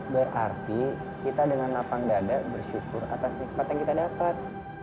berarti kita dengan lapang dada bersyukur atas nikmat yang kita dapat